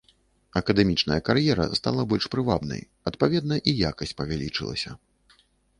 Акадэмічная кар'ера стала больш прывабнай, адпаведна, і якасць павялічылася.